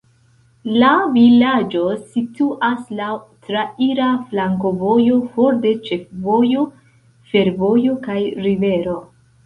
La vilaĝo situas laŭ traira flankovojo for de ĉefvojo, fervojo kaj rivero.